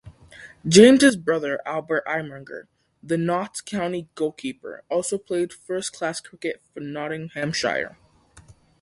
James's brother Albert Iremonger, the Notts County goalkeeper, also played first-class cricket for Nottinghamshire.